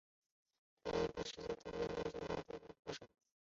并开始在东京筑地教授插画课程。